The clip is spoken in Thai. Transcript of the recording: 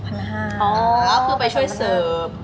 อ๋อเพื่อไปช่วยเสิร์ฟ